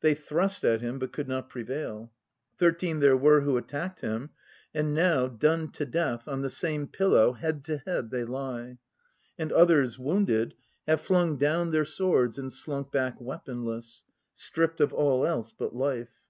They thrust at him but could not prevail. Thirteen there were who attacked him; And now, done to death, on the same pillow head to head they lie. And others, wounded, have flung down their swords and slunk back weaponless, Stripped of all else but life.